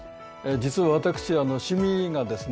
実は私趣味がですね